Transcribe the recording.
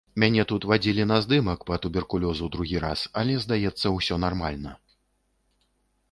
Мяне тут вадзілі на здымак па туберкулёзу другі раз, але, здаецца, усё нармальна.